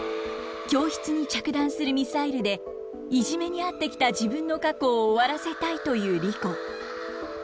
教室に着弾するミサイルでいじめにあってきた自分の過去を終わらせたいというリコ。